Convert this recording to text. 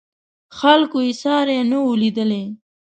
خلکو یې ساری نه و لیدلی.